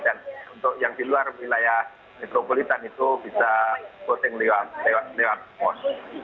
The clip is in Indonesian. dan untuk yang di luar wilayah metropolitan itu bisa ketinggian lewat kos